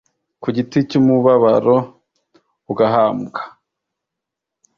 ku giti cy umubabaro ugahambwa